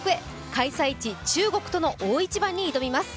開催地・中国との大一番に挑みます。